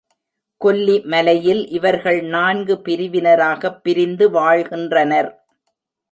கொல்லி மலையில் இவர்கள் நான்கு பிரிவினராகப் பிரிந்து வாழ்கின்றனர்.